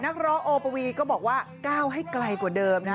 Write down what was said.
นักร้องโอปวีก็บอกว่าก้าวให้ไกลกว่าเดิมนะฮะ